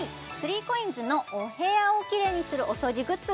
３ＣＯＩＮＳのお部屋をキレイにするお掃除グッズ